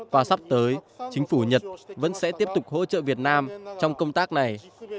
và sắp tới chính phủ nhật vẫn sẽ tiếp tục hỗ trợ việt nam trong công tác này